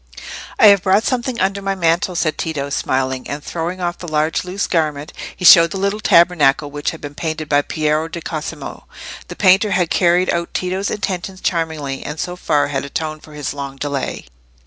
"I have brought something under my mantle," said Tito, smiling; and throwing off the large loose garment, he showed the little tabernacle which had been painted by Piero di Cosimo. The painter had carried out Tito's intention charmingly, and so far had atoned for his long delay.